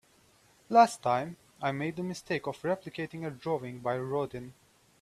Last time, I made the mistake of replicating a drawing by Rodin.